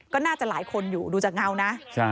ก็น่าจะหลายคนอยู่ดูจากเงานะ